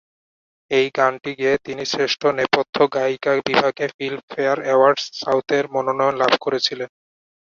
এই গানটি গেয়ে তিনি শ্রেষ্ঠ নেপথ্য গায়িকা বিভাগে ফিল্মফেয়ার অ্যাওয়ার্ডস সাউথের মনোনয়ন লাভ করেছিলেন।